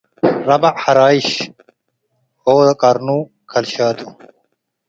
ረበዕ ሐራይሽ - ኦሮ ቀርኑ ከልሻቱ